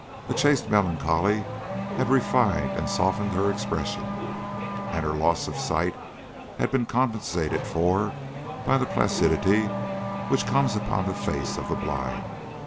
A chaste melancholy had refined and softened her expression, and her loss of sight had been compensated for by that placidity which comes upon the faces of the blind.